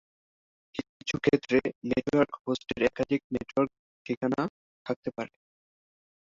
কিছু ক্ষেত্রে, নেটওয়ার্ক হোস্টের একাধিক নেটওয়ার্ক ঠিকানা থাকতে পারে।